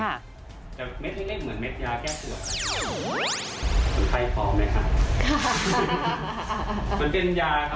มันเป็นเต้นดีค่ะ